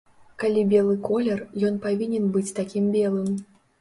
Калі белы колер, ён павінен быць такім белым.